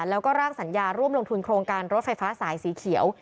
แล้วก็ร่างสัญญาร่วมลงทุนโครงการรถไฟฟ้าสายสีเขียว